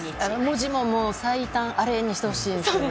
文字も最短アレにしてほしいですね。